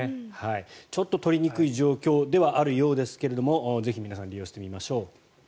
ちょっと取りにくい状況ではあるようですがぜひ皆さん利用してみましょう。